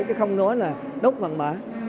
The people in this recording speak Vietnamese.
chứ không nói là đốt vằn mã